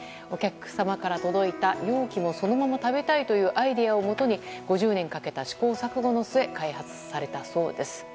お客様から届いた容器もそのまま食べたいというアイデアをもとに５０年かけた試行錯誤の末開発されたそうです。